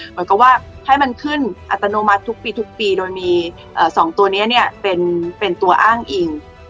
หมายความว่าให้มันขึ้นอัตโนมัติทุกปีโดยมีสองตัวนี้เป็นตัวอ้างอิ่ง